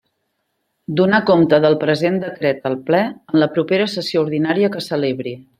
Donar compte del present decret al Ple, en la propera sessió ordinària que celebri.